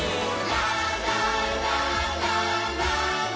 「ラララララララ」「」